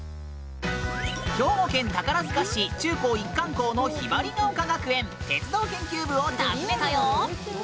兵庫県宝塚市中高一貫校の雲雀丘学園鉄道研究部を訪ねたよ。